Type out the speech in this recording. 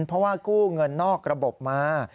เพราะว่ากู้เงินนอกระบบมา